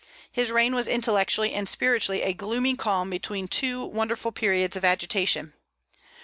His reign was intellectually and spiritually a gloomy calm between two wonderful periods of agitation.